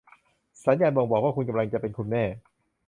สัญญาณบ่งบอกว่าคุณกำลังจะเป็นคุณแม่